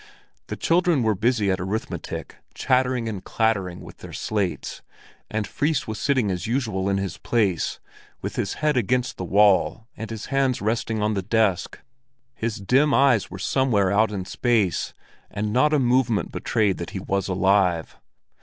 The children were busy at arithmetic, chattering and clattering with their slates, and Fris was sitting as usual in his place, with his head against the wall and his hands resting on the desk. His dim eyes were somewhere out in space, and not a movement betrayed that he was alive.